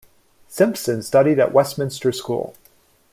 Simpson studied at Westminster School.